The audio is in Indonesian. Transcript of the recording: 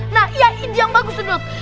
nah iya ini yang bagus tuh dot